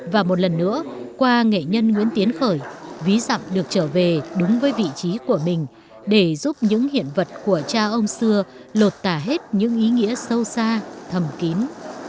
và một lần nữa qua nghệ nhân nguyễn tiến khởi ví dặm được trở về đúng với vị trí của mình để giúp những hiện vật của cha ông xưa lột tả hết những ý nghĩa sâu xa thầm kín